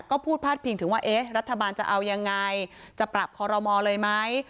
ก็พูดพาดพิงถึงว่าเอ๊ะรัฐบาลจะเอายังไงจะปรับคอรมอลเลยไหม